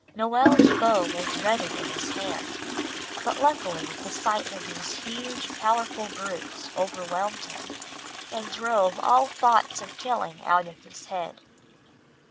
Noel's bow was ready in his hand; but luckily the sight of these huge, powerful brutes overwhelmed him and drove all thoughts of killing out of his head.